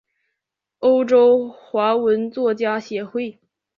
欧洲华文作家协会。